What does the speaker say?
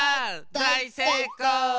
だいせいこう！